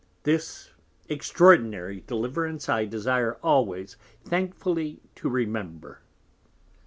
This extraordinary Deliverance I desire always thankfully to remember.